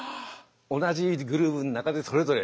同じグルーヴの中でそれぞれ。